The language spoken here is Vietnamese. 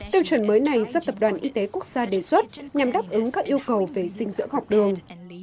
tiêu chuẩn mới này do tập đoàn y tế quốc gia đề xuất nhằm đáp ứng các yêu cầu về dinh dưỡng học đường